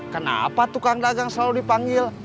kenapa tukang dagang selalu dipanggil